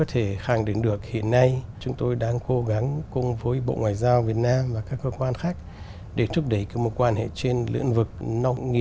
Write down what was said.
hạnh phúc máu việt nam và phé lýs ánh nho nué vo